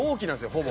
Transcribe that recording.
ほぼ。